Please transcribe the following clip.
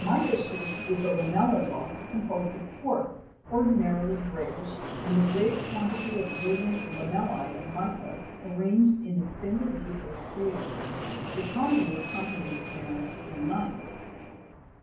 19. Mi 19. Mica schist is a lamellar rock composed of quartz ordinarily grayish, and a great quantity of brilliant lamellae of mica arranged in extended leaves or scales ; it commonly accompanies granite and gneiss.